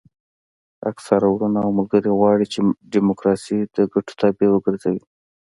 اکثره وروڼه او ملګري غواړي چې ډیموکراسي د ګټو تابع وګرځوي.